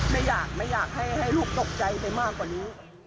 ไม่อยากให้ลูกตกใจไปมากกว่านี้